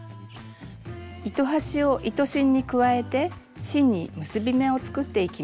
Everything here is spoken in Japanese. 糸端を糸芯に加えて芯に結び目を作っていきます。